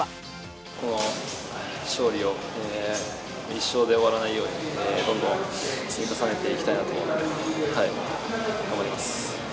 この勝利を１勝で終わらないように、どんどん積み重ねていきたいなと思うので、頑張ります。